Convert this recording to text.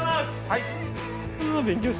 はい。